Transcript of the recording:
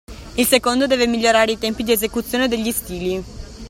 Il secondo deve migliorare i tempi di esecuzione degli stili.